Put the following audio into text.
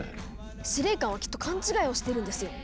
司令官はきっと勘違いをしてるんですよ。